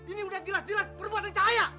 ini udah jelas jelas perbuatan cahaya